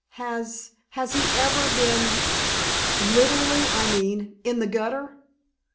"Has has he ever been literally, I mean in the gutter?"